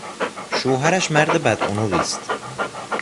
شوهرش مرد بدعنقی است.